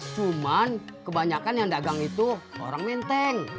cuman kebanyakan yang dagang itu orang menteng